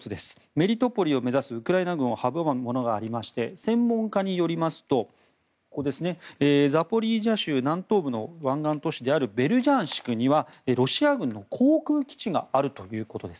メリトポリを目指すウクライナ軍を阻むものがありまして専門家によりますとここ、ザポリージャ州南東部の湾岸都市であるベルジャンシクにはロシア軍の航空基地があるということです。